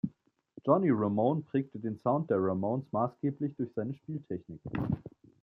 Johnny Ramone prägte den Sound der Ramones maßgeblich durch seine Spieltechnik.